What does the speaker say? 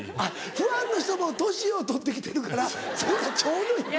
ファンの人も年を取って来てるからそれがちょうどいいんだ。